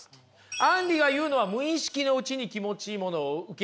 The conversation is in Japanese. アンリが言うのは無意識のうちに気持ちいいものを受け入れなさい。